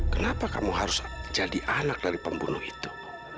kenapa kamu harus jadi anak dari pembunuh itu